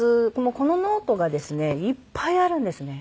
このノートがですねいっぱいあるんですね。